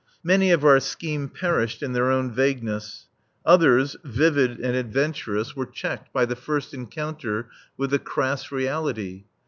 Many of our scheme perished in their own vagueness. Others, vivid and adventurous, were checked by the first encounter with the crass reality.